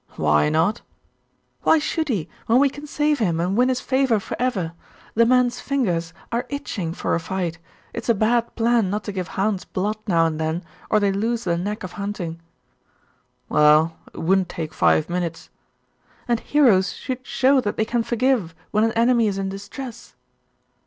'Why not?' 'Why should he, when we can save him and win his favour for ever? The men's fingers are itching far a fight; it's a bad plan not to give hounds blood now and then, or they lose the knack of hunting.' 'Well, it wouldn't take five minutes.' 'And heroes should show that they can forgive when an enemy is in distress.